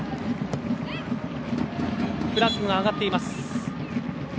フラッグが上がっています。